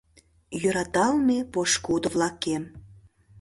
Йӧраталме пошкудо-влакем.